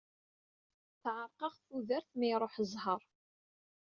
Tɛeṛeq-aɣ tudert mi iṛuḥ zzheṛ!